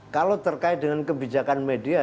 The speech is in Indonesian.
kalau terkait dengan kebijakan media